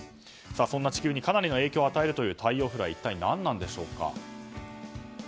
そんな、地球にかなりの影響を与えるという太陽フレア一体、何なんでしょうか。